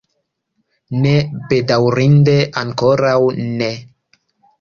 Ne, bedaŭrinde ankoraŭ ne.